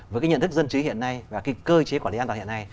với cái nhận thức dân trí hiện nay và cái cơ chế quản lý an toàn hiện nay